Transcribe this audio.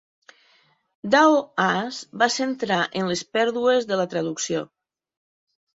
Dao As va centrar en les pèrdues de la traducció.